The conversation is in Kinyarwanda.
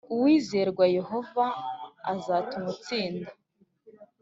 uwizerwa Yehova azatuma utsinda